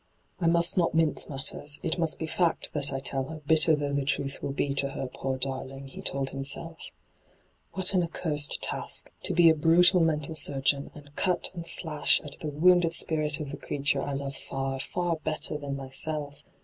' I must not mince matters ; it must be fact that I tell her, bitter though the truth will be to her, poor darling !' he told himself. hyGoogIc ENTRAPPED 251 ' What an accursed task — to be a brutal mental surgeon, and cut and slash at the wounded spirit of the creature I love fer, far better than myself!